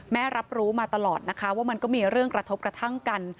รับรู้มาตลอดนะคะว่ามันก็มีเรื่องกระทบกระทั่งกัน